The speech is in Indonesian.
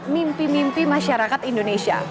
mimpi mimpi masyarakat indonesia